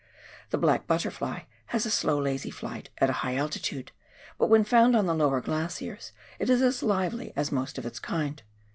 The black butterfly has a slow lazy flight at a high altitude, but when found on the lower glaciers it is as lively as most of its kind.